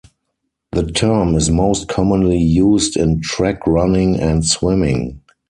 The term is most commonly used in track running and swimming.